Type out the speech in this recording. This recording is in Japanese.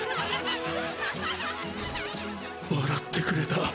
わらってくれた。